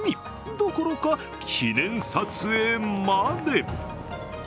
どころか、記念撮影まで。